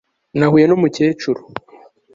Nahuye numukecuru